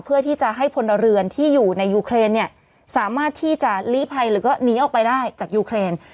เพื่อที่จะให้พลเรือนที่อยู่ในยูเครนเนี่ยสามารถที่จะลีภัยหรือก็หนีออกไปได้จากยูเครน